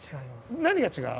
何が違う？